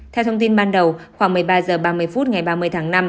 theo thông tin ban đầu khoảng một mươi ba h ba mươi phút ngày ba mươi tháng năm